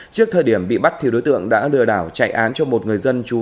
trước thời điểm bị bắt thì đối tượng đã lừa đảo chạy án cho một người dân chú